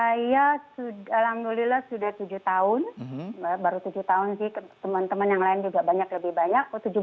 saya alhamdulillah sudah tujuh tahun baru tujuh tahun sih teman teman yang lain juga banyak lebih banyak